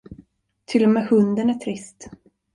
Till och med hunden är trist.